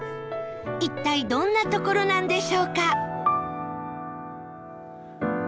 一体どんな所なんでしょうか？